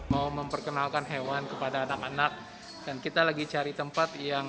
di hari minggu saja mau memperkenalkan hewan kepada anak anak dan kita lagi cari tempat yang